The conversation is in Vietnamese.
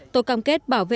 tôi cam kết bảo vệ người dân